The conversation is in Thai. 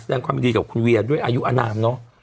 แสดงความยินดีกับคุณเวียด้วยอายุอนามเนอะ